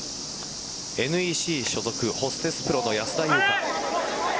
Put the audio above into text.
ＮＥＣ所属ホステスプロの安田祐香。